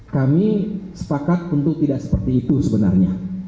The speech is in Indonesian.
kami sepakat tentu tidak seperti itu sebenarnya